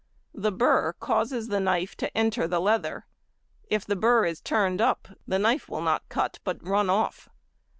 The burr causes the knife to enter the leather; if the burr is turned up the knife will not cut but run off.